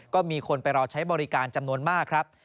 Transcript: ก็มีคนไปรอใช้บริการจำนวนมากครับ